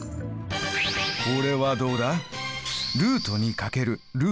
これはどうだ？